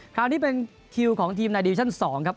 คราวนี้เป็นคิวของทีมในดิวิชั่น๒ครับ